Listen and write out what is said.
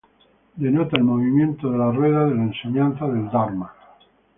Denota el movimiento de la rueda de la enseñanza del dharma.